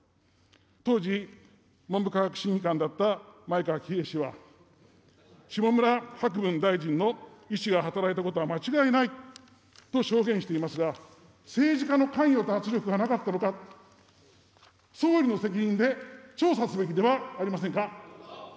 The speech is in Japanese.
当時、文部科学審議官だった前川喜平氏は、下村博文大臣の意思が働いたことは間違いないと証言していますが、政治家の関与と圧力がなかったのか、総理の責任で調査すべきではありませんか。